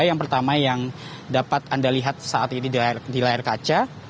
yang pertama yang dapat anda lihat saat ini di layar kaca